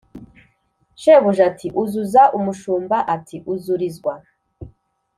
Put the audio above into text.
shebuja ati: “uzuza”, umushumba ati: “uzurizwa”